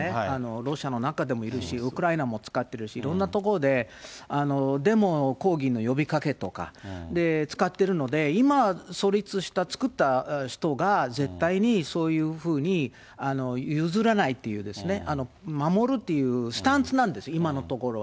ロシアの中でもいるし、ウクライナも使ってるし、いろんな所でデモ、抗議の呼びかけとか、使ってるので、今、創立した作った人が絶対にそういうふうに譲らないっていうですね、守るっていうスタンスなんです、今のところは。